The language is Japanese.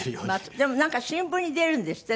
でもなんか新聞に出るんですって？